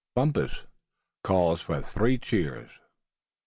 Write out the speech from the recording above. BUMPUS CALLS FOR THREE CHEERS.